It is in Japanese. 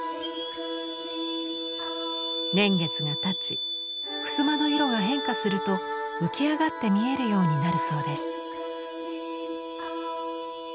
年月がたち襖の色が変化すると浮き上がって見えるようになるそうです。